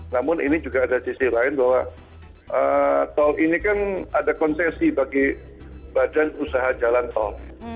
namun ini juga ada sisi lain bahwa tol ini kan ada konsesi bagi badan usaha jalan tol